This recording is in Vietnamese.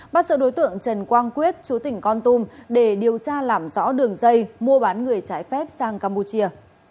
bắt sự đối tượng trần quang quyết chú tỉnh con tum để điều tra làm rõ đường dây mua bán người trái phép sang campuchia